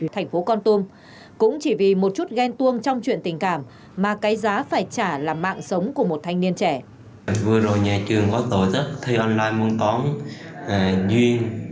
thành phố con tum cũng chỉ vì một chút ghen tuông trong chuyện tình cảm mà cái giá phải trả là mạng sống của một thanh niên trẻ